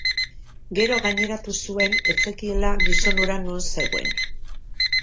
Gero gaineratu zuen ez zekiela gizon hura non zegoen.